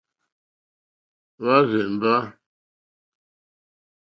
Hwá rzèmbá.